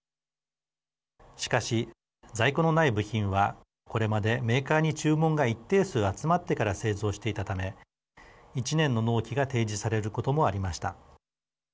しかし、在庫のない部品はこれまでメーカーに注文が一定数集まってから製造していたため１年の納期が提示されることもありました。